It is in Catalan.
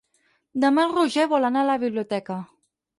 Demà en Roger vol anar a la biblioteca.